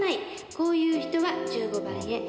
こういう人は１５番へ。